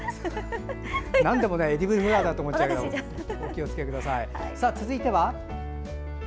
なんでもエディブルフラワーと思っちゃうけどお気をつけください。